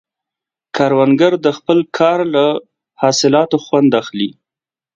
کروندګر د خپل کار له ثمراتو خوند اخلي